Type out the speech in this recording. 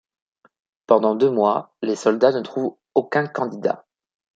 Pendant deux mois, les soldats ne trouvent aucun candidat.